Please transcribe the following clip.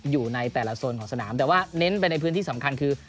อยู่ในแต่ละโซนของสนามแต่ว่าเน้นไปในพื้นที่สำคัญคือ